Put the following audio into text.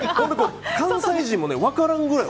関西人も分からんぐらい